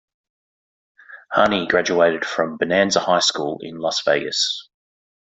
Harney graduated from Bonanza High School in Las Vegas.